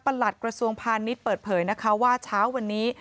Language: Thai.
หลัดกระทรวงพาณิชย์เปิดเผยนะคะว่าเช้าวันนี้